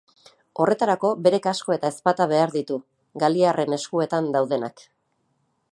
Horretarako bere kasko eta ezpata behar ditu, galiarren eskuetan daudenak.